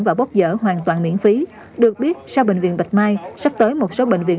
và bốc dở hoàn toàn miễn phí được biết sau bệnh viện bạch mai sắp tới một số bệnh viện